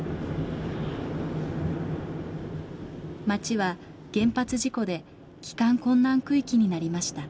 町は原発事故で帰還困難区域になりました。